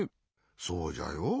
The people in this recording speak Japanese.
そうじゃよ。